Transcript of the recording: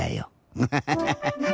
ウハハハハ。